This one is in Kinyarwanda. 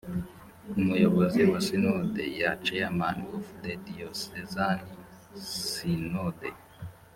umuyobozi wa sinode ya chairman of the diocesan synod